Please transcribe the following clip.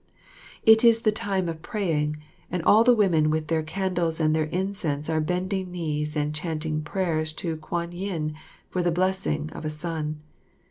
It is the time of praying, and all the women with their candles and their incense are bending knees and chanting prayers to Kwan yin for the blessing of a son.